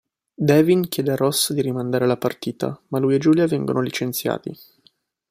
Devin chiede a Ross di rimandare la partita, ma lui e Julia vengono licenziati.